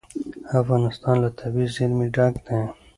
افغانستان له طبیعي زیرمې ډک دی.